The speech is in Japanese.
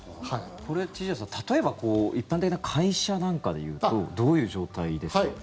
千々岩さん、例えば一般的な会社なんかでいうとどういう状態ですかね。